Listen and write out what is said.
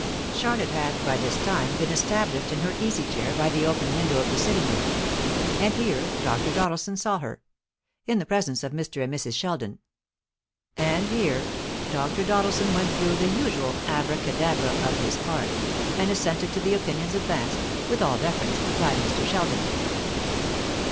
Charlotte had by this time been established in her easy chair by the open window of the sitting room, and here Dr. Doddleson saw her, in the presence of Mr. and Mrs. Sheldon; and here Dr. Doddleson went through the usual Abracadabra of his art, and assented to the opinions advanced, with all deference, by Mr. Sheldon.